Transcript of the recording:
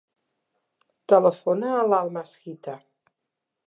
Telefona a l'Almas Hita.